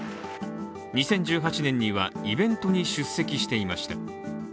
２０１８年にはイベントに出席していました。